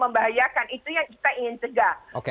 membahayakan itu yang kita ingin cegah